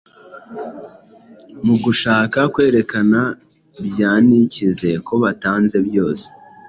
Mu gushaka kwerekana bya nikize ko batanze byose,